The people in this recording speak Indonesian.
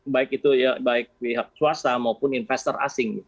baik itu ya baik pihak swasta maupun investor asing